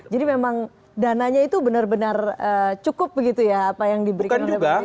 jadi memang dananya itu benar benar cukup begitu ya apa yang diberikan oleh partai